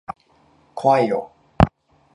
怖いよ。